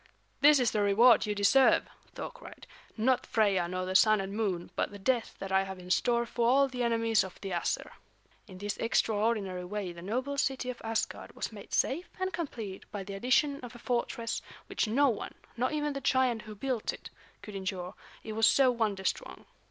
"This is the reward you deserve!" Thor cried. "Not Freia nor the Sun and Moon, but the death that I have in store for all the enemies of the Æsir." In this extraordinary way the noble city of Asgard was made safe and complete by the addition of a fortress which no one, not even the giant who built it, could injure, it was so wonder strong.